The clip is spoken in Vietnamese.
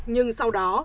nhưng sau đó